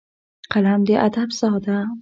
قلم د ادب ساه ده